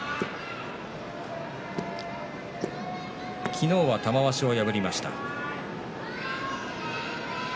昨日は玉鷲を破りました。